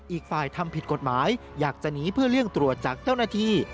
อีกฝ่ายทำผิดกฎหมายอยากจะหนีเพื่อเลี่ยงตรวจจากเจ้าหน้าที่